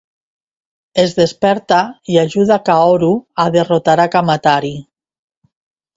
Es desperta i ajuda a Kaoru a derrotar a Kamatari.